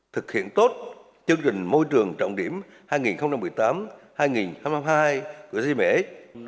thực hiện tốt chương trình môi trường trọng điểm hai nghìn một mươi tám hai nghìn hai mươi hai của gms